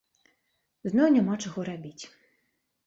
Зноў няма чаго рабіць.